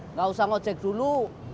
nggak usah ngeojek dulu